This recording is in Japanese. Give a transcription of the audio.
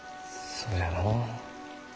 そうじゃのう。